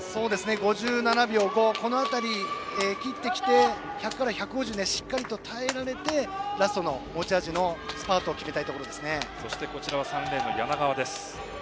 ５７秒５辺りを切ってきて１００から１５０をしっかりと耐えられてラストの持ち味のスパートそして３レーンの柳川。